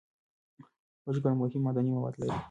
هوږه ګڼ مهم معدني مواد لري.